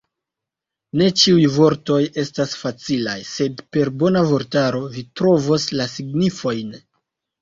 Ne ĉiuj vortoj estas facilaj, sed per bona vortaro, vi trovos la signifojn.